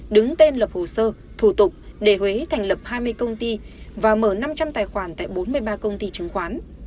đứng tên lập hồ sơ thủ tục để huế thành lập hai mươi công ty và mở năm trăm linh tài khoản tại bốn mươi ba công ty chứng khoán